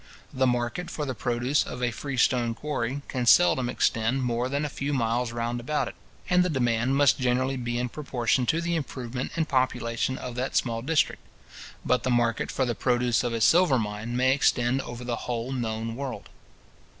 The market for the produce of a free stone quarry can seldom extend more than a few miles round about it, and the demand must generally be in proportion to the improvement and population of that small district; but the market for the produce of a silver mine may extend over the whole known world.